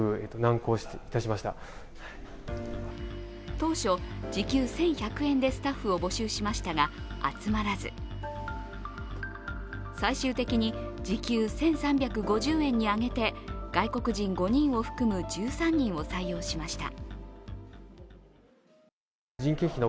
当初、時給１１００円でスタッフを募集しましたが集まらず、最終的に時給１３５０円に上げて外国人５人を含む１３人を採用しました。